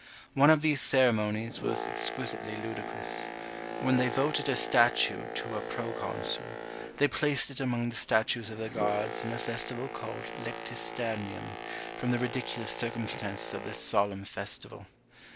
One of these ceremonies was exquisitely ludicrous. When they voted a statue to a proconsul, they placed it among the statues of the gods in the festival called Lectisternium, from the ridiculous circumstances of this solemn festival.